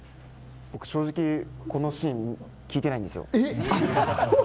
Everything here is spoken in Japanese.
正直、このシーン聞いてないんですよ。